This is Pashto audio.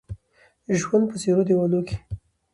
ژوند په څيرو دېوالو کې